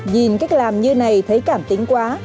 nhìn cách làm như này thấy cảm tính quá